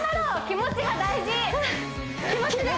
気持ちが大事だ！